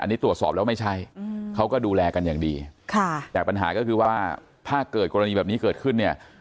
อันนี้ตรวจสอบแล้วไม่ใช่เขาก็ดูแลกันอย่างดีค่ะแต่ปัญหาก็คือว่าถ้าเกิดกรณีแบบนี้เกิดขึ้นเนี่ย